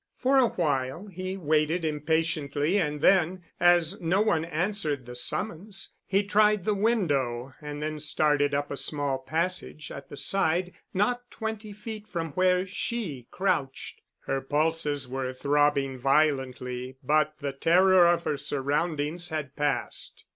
For awhile he waited impatiently and then, as no one answered the summons, he tried the window and then started up a small passage at the side not twenty feet from where she crouched. Her pulses were throbbing violently, but the terror of her surroundings had passed.